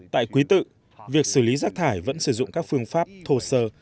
tại quý tự việc xử lý rác thải vẫn sử dụng các phương pháp thô sơ